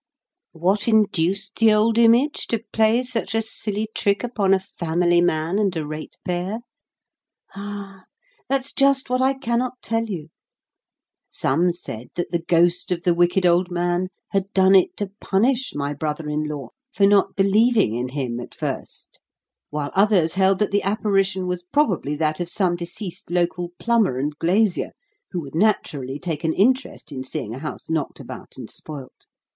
"What induced the old image to play such a silly trick upon a family man and a ratepayer?" Ah! that's just what I cannot tell you. Some said that the ghost of the wicked old man had done it to punish my brother in law for not believing in him at first; while others held that the apparition was probably that of some deceased local plumber and glazier, who would naturally take an interest in seeing a house knocked about and spoilt.